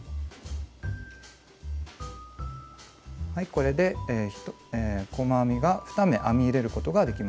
これで細編みが２目編み入れることができました。